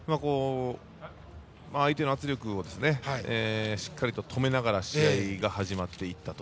相手の圧力をしっかりと止めながら試合が始まっていったと。